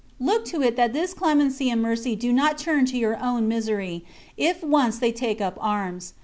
Look to it that this clemency and mercy do not turn to your own misery, if once they take up arms.